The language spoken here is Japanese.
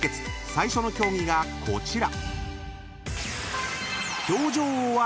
最初の競技がこちら］